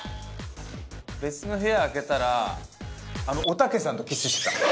別の部屋開けたらおたけさんとキスしてた。